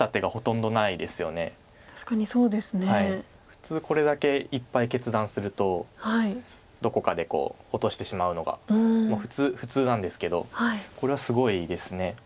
普通これだけいっぱい決断するとどこかで落としてしまうのが普通なんですけどこれはすごいです。